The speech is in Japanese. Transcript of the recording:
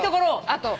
あと